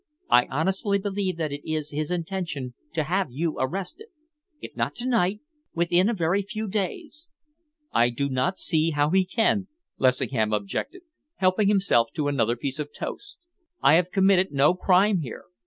I honestly believe that it is his intention to have you arrested if not to night, within a very few days." "I do not see how he can," Lessingham objected, helping himself to another piece of toast. "I have committed no crime here.